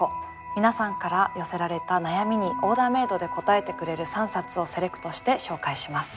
皆さんから寄せられた悩みにオーダーメードで答えてくれる３冊をセレクトして紹介します。